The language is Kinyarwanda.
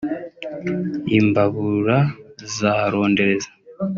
imbabura za rondereza